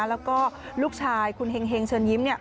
แล้วก็ลูกชายคุณเฮ็งเชิญยิ้ม